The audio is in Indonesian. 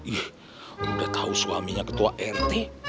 ih udah tau suaminya ketua rt